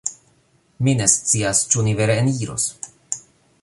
Mi ne scias, ĉu ni vere eniros